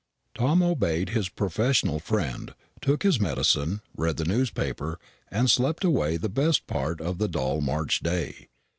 Tom obeyed his professional friend took his medicine, read the paper, and slept away the best part of the dull March day.